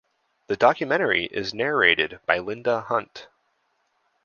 The documentary is narrated by Linda Hunt.